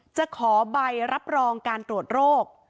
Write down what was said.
จะขอใบรับรองการตรวจโรค